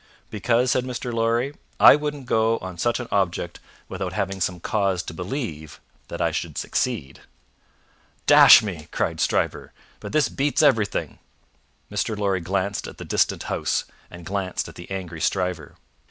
"Because," said Mr. Lorry, "I wouldn't go on such an object without having some cause to believe that I should succeed." "D n me!" cried Stryver, "but this beats everything." Mr. Lorry glanced at the distant House, and glanced at the angry Stryver.